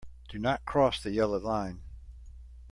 Do not cross the yellow line.